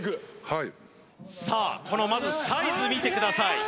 はいさあこのまずサイズ見てください